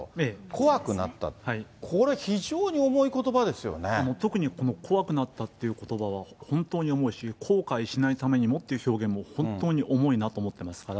怖くなった、これ、非常に重いこ特にこの怖くなったということばは、本当に重いし、後悔しないためにもっていう表現も本当に重いなと思っています。